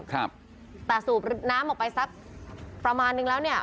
ครับแต่สูบน้ำออกไปสักประมาณนึงแล้วเนี่ย